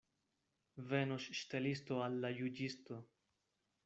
Venos ŝtelisto al la juĝisto.